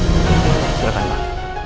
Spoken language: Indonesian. selamat datang pak